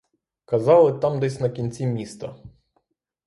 Казали, там десь на кінці міста.